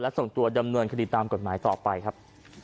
ส่งตัวดำเนินคดีตามกฎหมายต่อไปครับ